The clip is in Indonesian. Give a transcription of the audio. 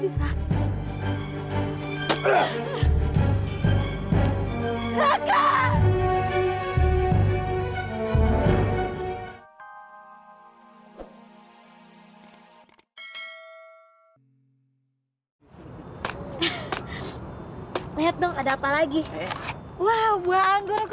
sampai jumpa di video selanjutnya